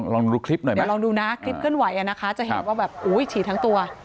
ลองดูคลิปหน่อยไหมลองดูนะคลิปเคลื่อนไหวอ่ะนะคะจะเห็นว่าแบบอุ้ยฉี่ทั้งตัว